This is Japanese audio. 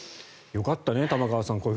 よかったね、玉川さん